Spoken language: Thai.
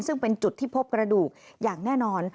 ซึ่งเป็นจุดที่พบกระดูกอย่างแน่นอน